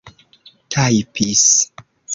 tajpis